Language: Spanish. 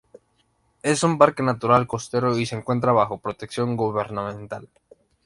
Es un parque natural costero y se encuentra bajo protección gubernamental.